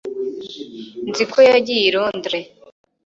nzi ko yagiye i londres